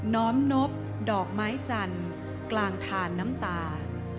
้อมนบดอกไม้จันทร์กลางทานน้ำตา